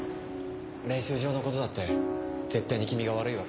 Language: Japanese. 練習場の事だって絶対に君が悪いわけじゃない。